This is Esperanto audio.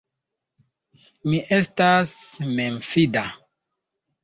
Mi estas memfida.